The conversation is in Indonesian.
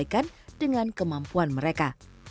yang disesuaikan dengan kemampuan mereka